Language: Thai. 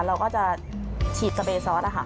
เราก็จะฉีดสเบซอสนะคะ